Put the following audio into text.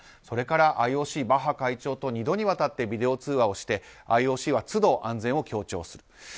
それからＩＯＣ、バッハ会長と２度にわたってビデオ通話をしてＩＯＣは都度、安全を強調する。